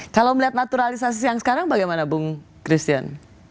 kalau melihat naturalisasi yang sekarang bagaimana bung christian